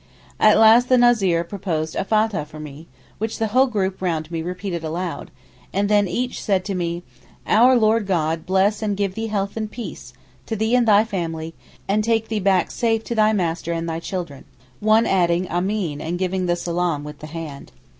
At last the Názir proposed a Fathah for me, which the whole group round me repeated aloud, and then each said to me, 'Our Lord God bless and give thee health and peace, to thee and thy family, and take thee back safe to thy master and thy children,' one adding Ameen and giving the salaam with the hand.